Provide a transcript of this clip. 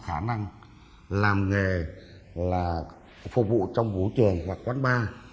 khả năng làm nghề là phục vụ trong vũ trường hoặc quán bar